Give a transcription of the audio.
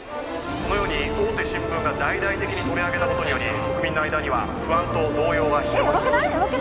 このように大手新聞が大々的に取り上げたことにより国民の間には不安と動揺が広がっています